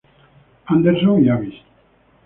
Anderson y Abyss.